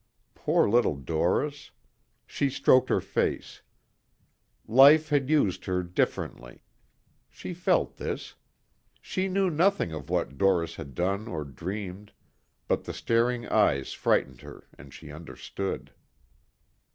Poor little Doris. She stroked her face. Life had used her differently. She felt this. She knew nothing of what Doris had done or dreamed, but the staring eyes frightened her and she understood.